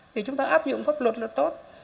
thì chúng ta áp dụng pháp luật là tốt